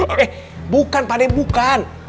eh bukan pak d bukan